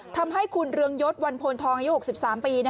ทำให้คุณเรืองยศวันโพนทองอายุ๖๓ปี